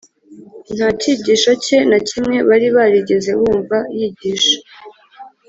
nta cyigisho cye na kimwe bari barigeze bumva yigisha